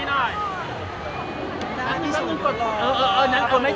เอาเรื่องต่อไป